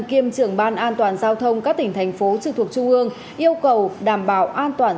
tính riêng trong tháng tám năm nay